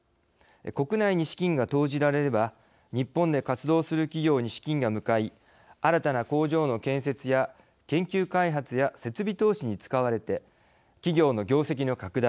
国内に資金が投じられれば日本で活動する企業に資金が向かい新たな工場の建設や研究開発や設備投資に使われて企業の業績の拡大。